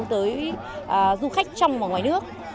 tới du khách trong và ngoài nước